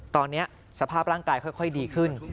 ตอนนี้สภาพร่างกายค่อยดีขึ้น